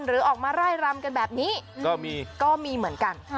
หรือออกมาไล่รำกันแบบนี้ก็มีก็มีเหมือนกัน